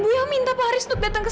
bukan watasi terdengar